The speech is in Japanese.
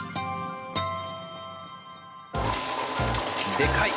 でかい！